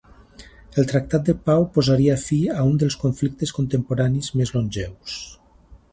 El tractat de pau posaria fi a un dels conflictes contemporanis més longeus.